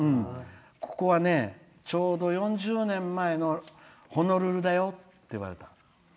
ここはね、ちょうど４０年前のホノルルだよって言われた。